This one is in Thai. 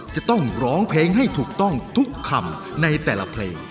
จะต้องร้องเพลงให้ถูกต้องทุกคำในแต่ละเพลง